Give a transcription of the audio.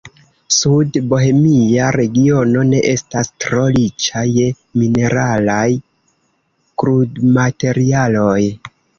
Sudbohemia Regiono ne estas tro riĉa je mineralaj krudmaterialoj.